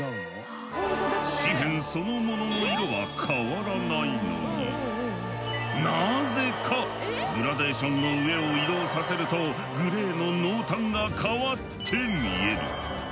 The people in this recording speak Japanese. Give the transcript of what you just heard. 紙片そのものの色は変わらないのになぜかグラデーションの上を移動させるとグレーの濃淡が変わって見える。